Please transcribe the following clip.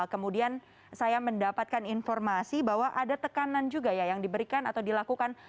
kemudian saya mendapatkan informasi bahwa ada tekanan juga ya yang diberikan atau dilakukan